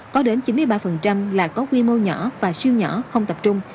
có đến chín mươi ba là có quy mô nhỏ và siêu nhỏ không tập trung